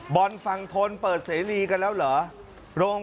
บอลฟังทนเปิดเสรีกันแล้วเหรอโรงพักพื้นที่ไม่รับทราบเลยหรือไง